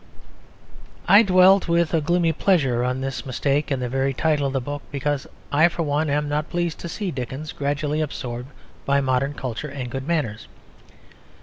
I dwell with a gloomy pleasure on this mistake in the very title of the book because I, for one, am not pleased to see Dickens gradually absorbed by modern culture and good manners.